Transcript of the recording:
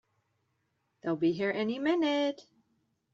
They'll be here any minute!